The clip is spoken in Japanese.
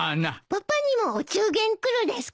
パパにもお中元来るですか？